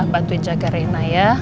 bantuin jaga rena ya